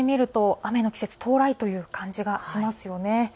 雨の季節到来という感じ、しますよね。